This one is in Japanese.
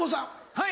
はい！